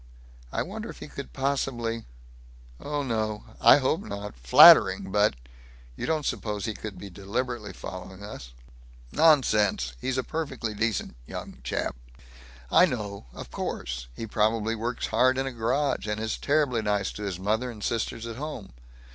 I wonder if he could possibly Oh no. I hope not. Flattering, but You don't suppose he could be deliberately following us?" "Nonsense! He's a perfectly decent young chap." "I know. Of course. He probably works hard in a garage, and is terribly nice to his mother and sisters at home.